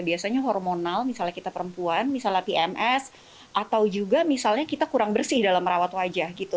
biasanya hormonal misalnya kita perempuan misalnya pms atau juga misalnya kita kurang bersih dalam merawat wajah gitu